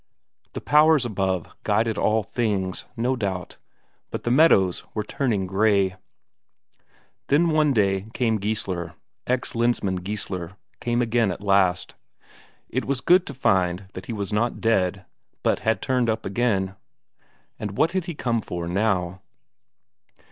The powers above guided all things, no doubt, but the meadows were turning grey. Then one day came Geissler ex Lensmand Geissler came again at last. It was good to find that he was not dead, but had turned up again. And what had he come for now?